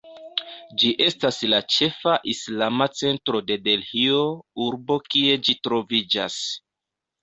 Ĝi estas la ĉefa islama centro de Delhio, urbo kie ĝi troviĝas.